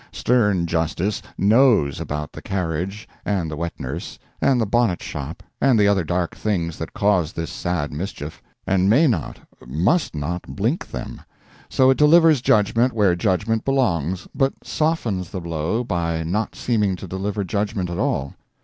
Stern justice knows about the carriage and the wet nurse and the bonnet shop and the other dark things that caused this sad mischief, and may not, must not blink them; so it delivers judgment where judgment belongs, but softens the blow by not seeming to deliver judgment at all.